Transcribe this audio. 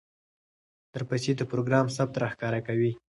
درپسې د پروګرام ثبت راښکاره کوي،